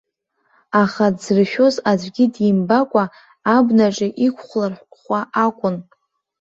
Аха дзыршәоз аӡәгьы димбакәа абнаҿы иқәхәлар хәа акәын.